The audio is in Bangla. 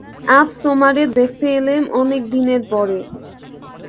আজ তোমারে দেখতে এলেম অনেক দিনের পরে।